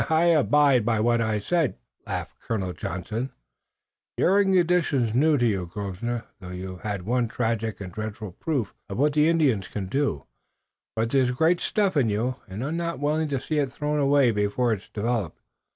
"And I abide by what I said," laughed Colonel Johnson, who heard. "You're in conditions new to you, Grosvenor, though you've had one tragic and dreadful proof of what the Indians can do, but there's great stuff in you and I'm not willing to see it thrown away before it's developed.